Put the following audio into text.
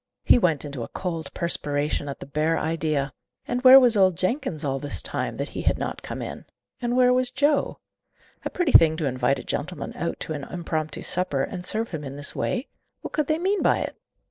He went into a cold perspiration at the bare idea. And where was old Jenkins, all this time, that he had not come in? And where was Joe? A pretty thing to invite a gentleman out to an impromptu supper, and serve him in this way! What could they mean by it?